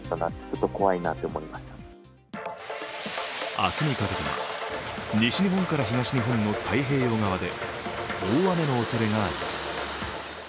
明日にかけては、西日本から東日本の太平洋側で大雨のおそれがあります。